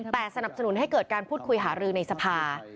แต่สนับสนุนให้เกิดการพูดคุยหารือในสภา